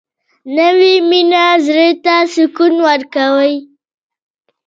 نوې مینه زړه ته سکون ورکوي